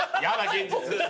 現実。